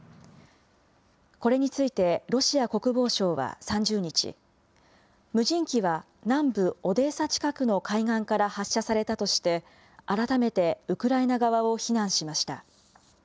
これについてロシア国防省は３０日、無人機は南部オデーサ近くの海岸から発射されたとして、改めてウクライナ側を非難しました。